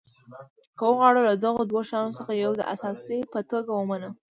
که وغواړو له دغو دوو شیانو څخه یو د اساس په توګه ومنو.